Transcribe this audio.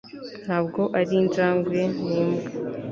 ntabwo ari injangwe. ni imbwa